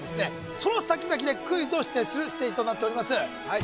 そのさきざきでクイズを出題するステージとなっております